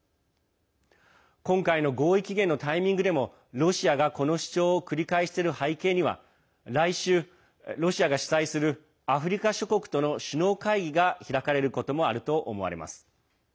今回の合意期限のタイミングでもロシアがこの主張を繰り返している背景には来週、ロシアが主催するアフリカ諸国との首脳会議が開かれることもあると思われます。